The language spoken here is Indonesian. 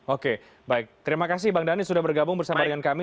oke baik terima kasih bang dhani sudah bergabung bersama dengan kami